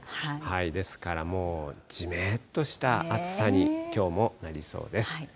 ですからもう、じめっとした暑さに、きょうもなりそうです。